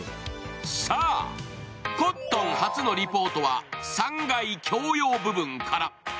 さあ、コットン初のリポートは３階・共用部分から。